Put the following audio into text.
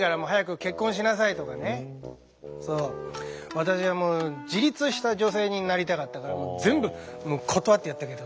私は自立した女性になりたかったから全部断ってやったけどね。